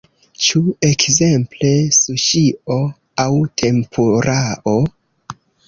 Ĉu ekzemple suŝio aŭ tempurao?